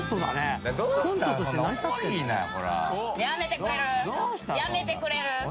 「やめてくれる？」